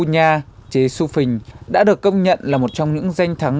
lạp bản tẩn chế su phạm chế su phạm đã được công nhận là một trong những danh thắng